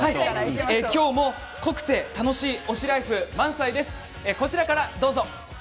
今日も濃くて楽しい推しライフ満載です。